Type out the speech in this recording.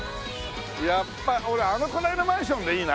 やっぱ俺あの隣のマンションでいいな。